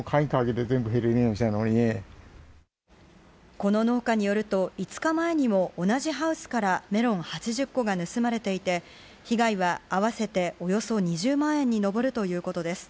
この農家によると５日前にも同じハウスからメロン８０個が盗まれていて被害は合わせておよそ２０万円に上るということです。